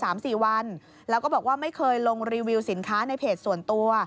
ยอมรับเนี่ยก็จะทดลองกิน๓๔วันแล้วก็บอกว่าไม่เคยลงรีวิวสินค้าในเพจส่วนตัว